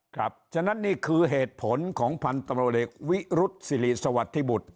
ฉะนั้นนี่คือเหตุผลของพันธุ์ตำรวจเอกวิรุษศิริสวัสดิบุตร